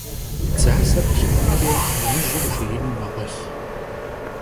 Dzaser plhıxunç'e yinıjır jjêinu meğuelh.